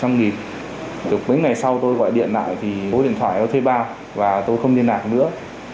mấy ngày sau tôi gọi điện lại thì bố điện thoại thay bao và tôi không điện lại nữa